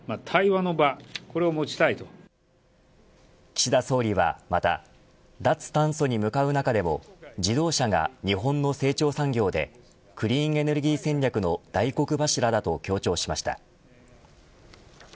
岸田総理は、また脱炭素に向かう中でも自動車が日本の成長産業でクリーンエネルギー戦略の大黒柱だと強調しました。